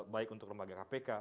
baik untuk lembaga kpk